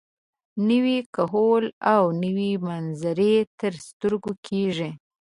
نوی کهول او نوې منظرې تر سترګو کېږي.